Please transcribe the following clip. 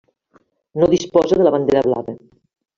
No disposa de la bandera blava.